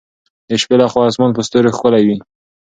د شپې له خوا اسمان په ستورو ښکلی وي.